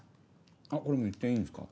これもう言っていいんですか？